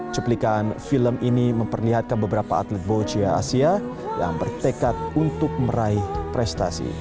cuplikan film ini memperlihatkan beberapa atlet bochia asia yang bertekad untuk meraih prestasi